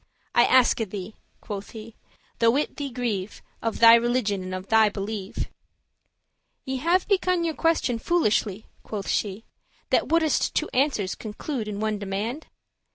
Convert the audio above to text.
"I aske thee," quoth he,"though it thee grieve, Of thy religion and of thy believe." "Ye have begun your question foolishly," Quoth she, "that wouldest two answers conclude In one demand?